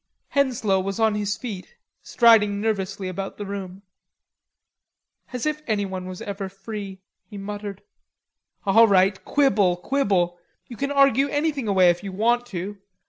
Henslowe was on his feet, striding nervously about the room. "As if anyone was ever free," he muttered. "All right, quibble, quibble. You can argue anything away if you want to.